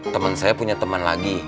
teman saya punya teman lagi